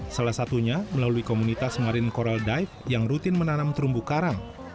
salah satunya melalui komunitas marine coral dive yang rutin menanam terumbu karang